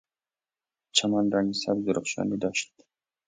چمن رنگ سبز درخشانی داشت.